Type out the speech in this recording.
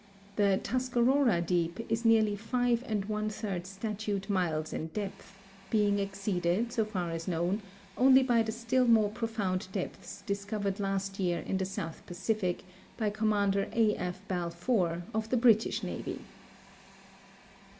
The " Tuscarora Deep " is nearly five and one third statute miles in depth, being exceeded, so far as known, onl}'' b}^ the still more profound de[)ths discovered last year in the South Pacific by Commander A. F. Balfour, of the British Navy.